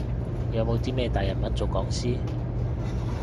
有冇啲咩大人物做講師？